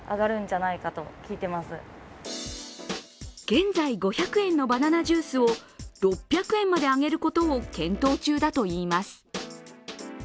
現在５００円のバナナジュースを６００円まで上げることを検討中だといいます。